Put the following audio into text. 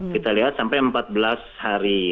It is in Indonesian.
kita lihat sampai empat belas hari